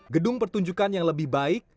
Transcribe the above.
gedung pertunjukan yang lebih baik